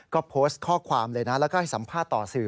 ก็โพสต์ข้อความเลยนะแล้วก็ให้สัมภาษณ์ต่อสื่อ